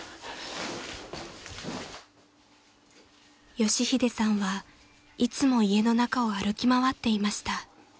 ［佳秀さんはいつも家の中を歩き回っていました］